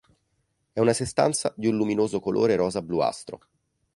È una sostanza di un luminoso colore rosa-bluastro.